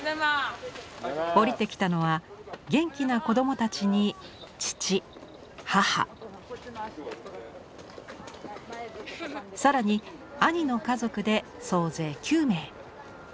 降りてきたのは元気な子どもたちに父母更に兄の家族で総勢９名。